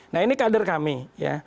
nah ini kader kami ya